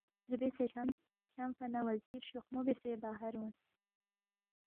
ربسے چھمس، چھمفا نہ وزیر شوخمو بیاسے باہر اونگس